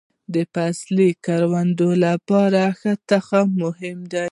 د فصلي کروندو لپاره ښه تخمونه مهم دي.